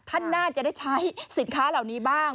ท่านน่าจะได้ใช้สินค้าเหล่านี้บ้าง